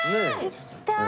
行きたい。